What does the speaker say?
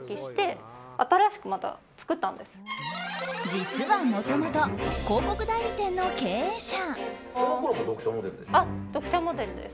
実はもともと広告代理店の経営者。